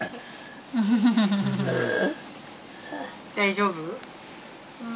大丈夫？